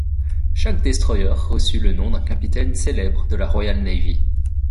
Chaque destroyer reçu le nom d'un capitaine célèbre de la Royal Navy.